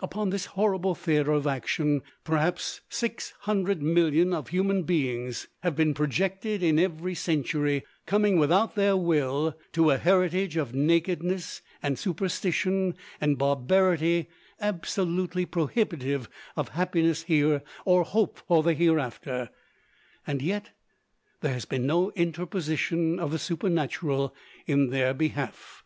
Upon this horrible theater of action perhaps 600,000,000 of human beings have been projected in every century, coming without their will to a heritage of nakedness and superstition and barbarity absolutely prohibitive of happiness here or hope for the hereafter; and yet there has been no interposition of the Supernatural in their behalf.